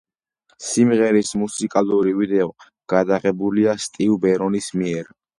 სიმღერის მუსიკალური ვიდეო გადაღებულია სტივ ბერონის მიერ.